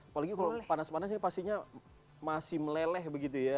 apalagi kalau panas panasnya pastinya masih meleleh begitu ya